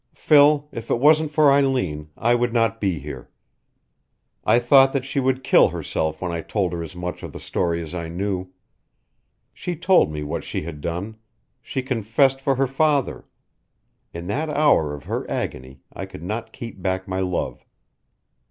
"Phil, if it wasn't for Eileen I would not be here. I thought that she would kill herself when I told her as much of the story as I knew. She told me what she had done; she confessed for her father. In that hour of her agony I could not keep back my love.